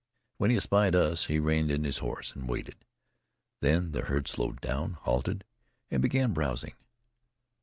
When he espied us he reined in his horse and waited. Then the herd slowed down, halted and began browsing.